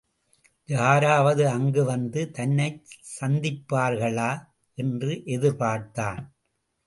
யாராவது அங்கு வந்து தன்னைச் சந்திப்பார்களா என்று எதிர்பார்த்தான்.